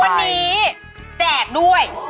วันนี้แจกด้วย